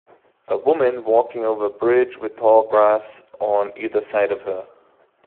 A woman walking over a bridge with tall grass on either side of her.